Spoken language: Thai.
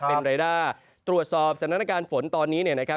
เป็นเรดาร์ตรวจสอบสถานการณ์ฝนตอนนี้